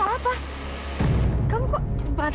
kalau eyeballs cuma mengambil hurts